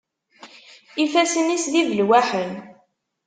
Ifassen-is d ibelwaḥen.